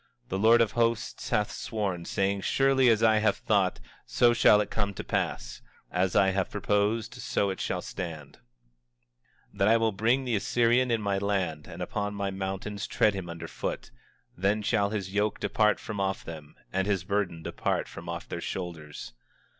24:24 The Lord of Hosts hath sworn, saying: Surely as I have thought, so shall it come to pass; and as I have purposed, so shall it stand— 24:25 That I will bring the Assyrian in my land, and upon my mountains tread him under foot; then shall his yoke depart from off them, and his burden depart from off their shoulders.